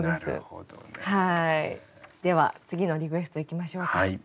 では次のリクエストいきましょうか。